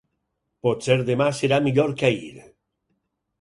Potser demà serà millor que ahir.